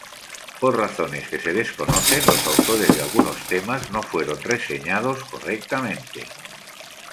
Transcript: Por razones que se desconocen, los autores de algunos temas no fueron reseñados correctamente.